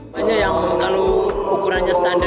banyak yang kalau ukurannya standar